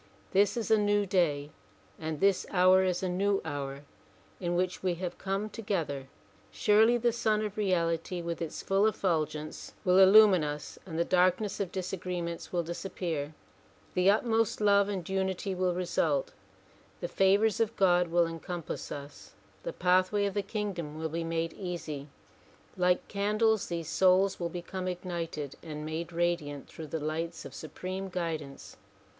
This is a new Day and this hour is a new Hour in which we have come to gether. Surely the Sun of Reality with its full effulgence will DISCOURSE DELIVERED IN WEST ENGLEWOOD 209 illumine us and the darkness of disagreements will disappear. The utmost love and unity will result, the favors of God will encompass us, the pathway of the kingdom will be made easy. Like candles these souls will become ignited and made radiant through the lights of supreme guidance.